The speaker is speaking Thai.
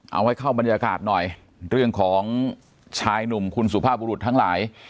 เอาให้เข้าบรรยากาศหน่อยเรื่องของชายหนุ่มคุณสุภาพบุรุษทั้งหลาย